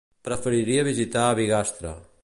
Preferiria visitar Bigastre.